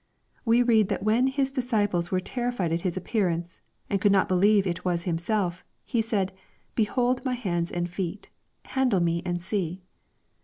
We read that when His disciples were terrified at His appearance, and could not believe that it was Himself, He said, " Behold my hands and feet : handle me and see."